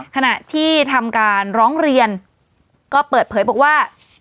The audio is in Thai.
ขณะที่ทำการร้องเรียนก็เปิดเผยบอกว่า